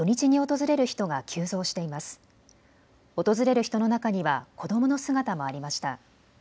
訪れる人の中には子どもの姿もありました。